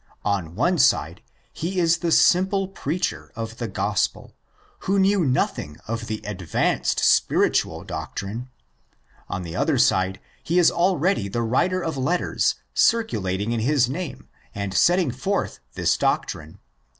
On one side he is the simple preacher of the Gospel, who knew nothing of the advanced " spiritual'' doctrine. On the other side he is already the writer of letters circulating in his name and setting forth this doctrine.